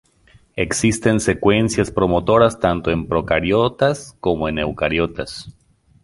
Existen secuencias promotoras tanto en procariotas como eucariotas.